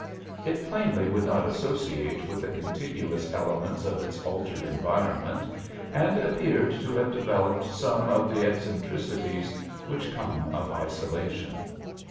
It plainly would not associate with the contiguous elements of its altered environment, and appeared to have developed some of the eccentricities which come of isolation.